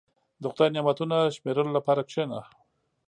• د خدای نعمتونه شمیرلو لپاره کښېنه.